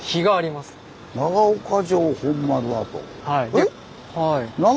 えっ？